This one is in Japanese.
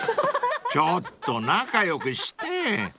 ［ちょっと仲良くして］